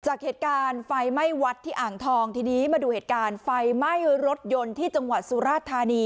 จากเหตุการณ์ไฟไหม้วัดที่อ่างทองทีนี้มาดูเหตุการณ์ไฟไหม้รถยนต์ที่จังหวัดสุราธานี